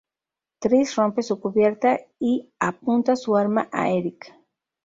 Tris rompe su cubierta y apunta su arma a Eric.